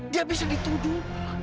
dia bisa dituduh